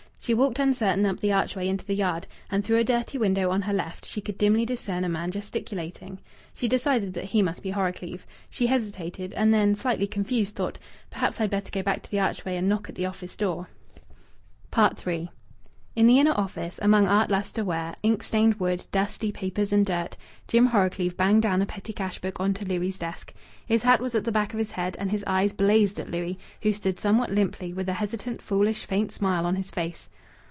She walked uncertain up the archway into the yard, and through a dirty window on her left she could dimly discern a man gesticulating. She decided that he must be Horrocleave. She hesitated, and then, slightly confused, thought, "Perhaps I'd better go back to the archway and knock at the office door." III In the inner office, among art lustre ware, ink stained wood, dusty papers, and dirt, Jim Horrocleave banged down a petty cash book on to Louis' desk. His hat was at the back of his head, and his eyes blazed at Louis, who stood somewhat limply, with a hesitant, foolish, faint smile on his face.